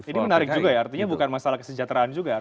ini menarik juga ya artinya bukan masalah kesejahteraan juga